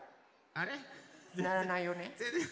あれっ？ならないよね。